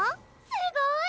すごーい！